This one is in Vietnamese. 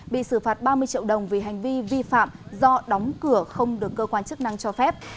bị xử phạt ba mươi triệu đồng vì hành vi vi phạm do đóng cửa không được cơ quan chức năng cho phép